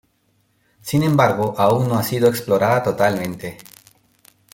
Sin embargo aún no ha sido explorada totalmente.